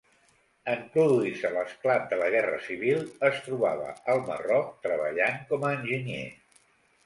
En produir-se l'esclat de la guerra civil es trobava al Marroc treballant com a enginyer.